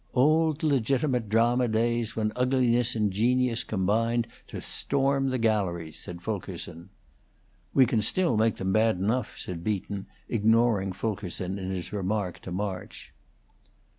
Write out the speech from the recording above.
"Old legitimate drama days, when ugliness and genius combined to storm the galleries," said Fulkerson. "We can still make them bad enough," said Beaton, ignoring Fulkerson in his remark to March.